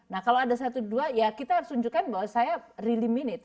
nah kalau ada satu dua ya kita harus tunjukkan bahwa saya really mean it